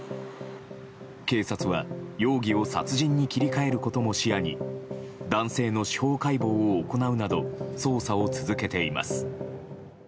警察は容疑を殺人に切り替えることも視野に男性の司法解剖を行うなど捜査を続けています。